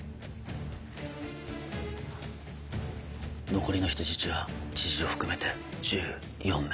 残りの人質は知事を含めて１４名。